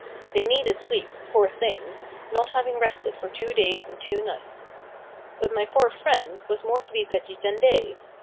They needed sleep, poor things, not having rested for two days and two nights. But my poor friend was more to be pitied than they.